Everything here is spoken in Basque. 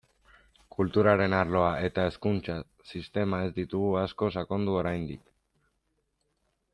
Kulturaren arloa eta hezkuntza sistema ez ditugu asko sakondu oraindik.